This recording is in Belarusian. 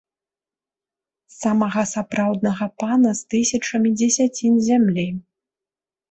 Самага сапраўднага пана з тысячамі дзесяцін зямлі.